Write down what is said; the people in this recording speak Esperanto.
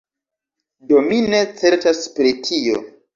Do mi ne certas pri tio.